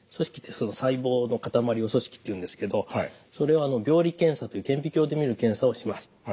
細胞の塊を組織っていうんですけどそれを病理検査という顕微鏡で見る検査をします。